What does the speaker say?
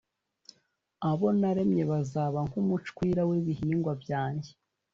abo naremye bazaba nk’umucwira w’ibihingwa byanjye,